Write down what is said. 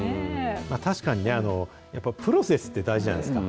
確かにね、やっぱりプロセスって大事じゃないですか。